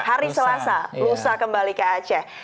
hari selasa lusa kembali ke aceh